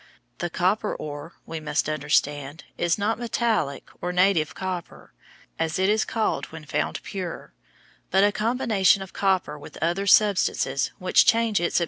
The copper ore, we must understand, is not metallic or "native copper," as it is called when found pure, but a combination of copper with other substances which change its appearance entirely.